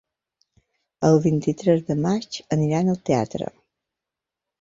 El vint-i-tres de maig aniran al teatre.